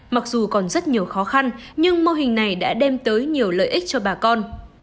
mặc dù còn rất nhiều khó khăn nhưng mô hình này đã đem tới nhiều lợi ích cho bà con